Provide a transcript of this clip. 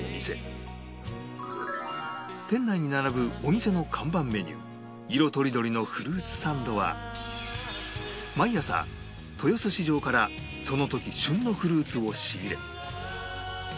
店内に並ぶお店の看板メニュー色とりどりのフルーツサンドは毎朝豊洲市場からその時旬のフルーツを仕入れ